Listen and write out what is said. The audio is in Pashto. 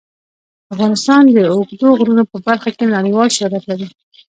افغانستان د اوږدو غرونو په برخه کې نړیوال شهرت لري.